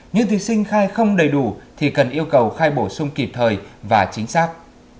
những thí sinh khai không đầy đủ thì cần yêu cầu khai bổ sung kịp thời và chính xác